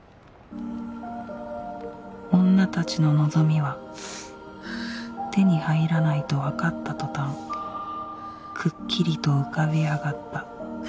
女たちの望みは手に入らないと分かった途端くっきりと浮かび上がった。